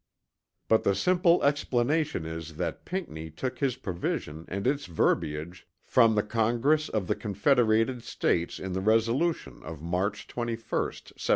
But the simple explanation is that Pinckney took his provision and its verbiage from the Congress of the Confederated States in the resolution of March 21st 1787.